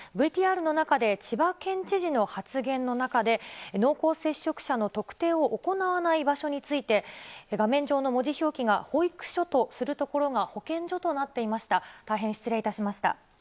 ＶＴＲの中で千葉県知事の発言の中で、濃厚接触者の特定を行わない場所について、画面上の文字表記が保育所とするところが保健所となっていました。